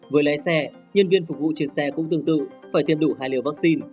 với lái xe nhân viên phục vụ trên xe cũng tương tự phải tiêm đủ hai liều vaccine